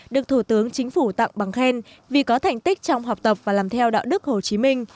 được thủ tướng chính phủ tặng bằng khen vì có thành tích trong học tập và làm theo đạo đức hồ chí minh